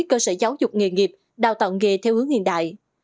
cơ sở giáo dục nghề nghiệp đào tạo nghề theo hướng hiện đại